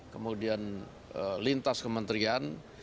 kemudian lintas kementerian